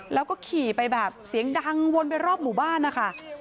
แล้วก็ขี่ไปแบบเสียงดังวนไปรอบหมู่บ้านนะคะ